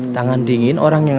tangan dingin orang yang